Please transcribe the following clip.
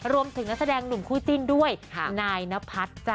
รวมถึงนักแสดงหนุ่มคู่จินด้วยนายนพัดจ้ะ